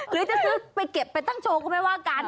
หรือจะซื้อไปเก็บไปตั้งโชว์ก็ไม่ว่ากัน